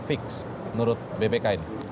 fix menurut bpk ini